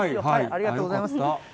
ありがとうございます。